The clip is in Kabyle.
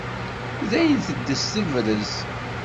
Dayen teddez tebrez.